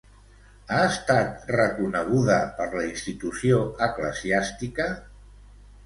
Ha estat reconeguda per la institució eclesiàstica?